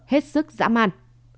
hết sức dã man